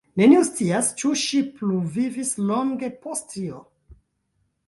Neniu scias ĉu ŝi pluvivis longe post tio.